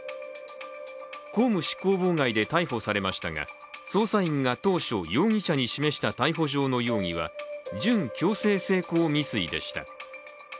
公務執行妨害で逮捕されましたが捜査員が当初、容疑者に示した逮捕状の容疑は準強制性交未遂でした。